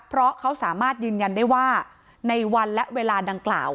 เพราะเขาสามารถยืนยันได้ว่าในวันและเวลาดังกล่าว